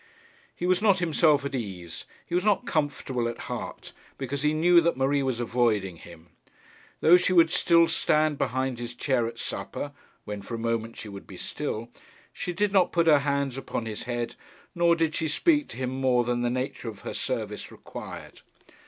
He was not himself at ease, he was not comfortable at heart, because he knew that Marie was avoiding him. Though she would still stand behind his chair at supper, when for a moment she would be still, she did not put her hands upon his head, nor did she speak to him more than the nature of her service required.